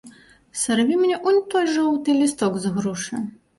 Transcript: Сарві мне унь той жоўты лісток з грушы.